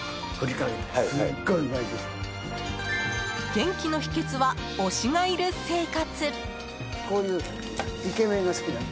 元気の秘訣は、推しがいる生活。